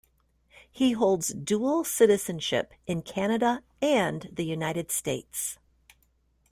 He holds dual citizenship in Canada and the United States.